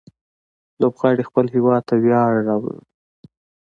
لوبغاړي خپل هيواد ته ویاړ راوړي.